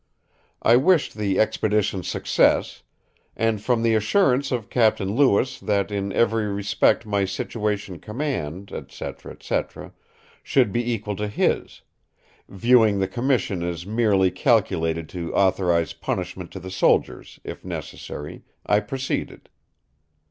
I wished the expedition suckcess, and from the assurence of Capt. Lewis that in every respect my situation command &c. &c. should be equal to his; viewing the Commission as mearly calculated to authorise punishment to the soldiers if necessary, I proceeded.